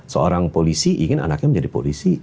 seorang polisi ingin anaknya menjadi polisi